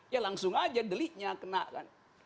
ya langsung aja deliknya kena kan